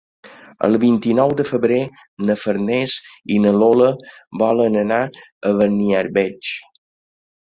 El vint-i-nou de febrer na Farners i na Lola volen anar a Beniarbeig.